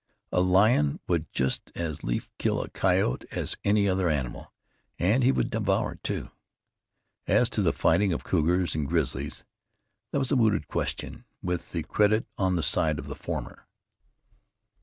A lion would just as lief kill a coyote as any other animal and he would devour it, too. As to the fighting of cougars and grizzlies, that was a mooted question, with the credit on the side of the former.